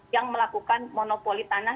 yang melakukan monopoli tanah